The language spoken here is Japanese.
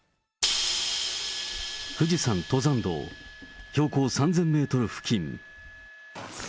富士山登山道、標高３０００メートル付近。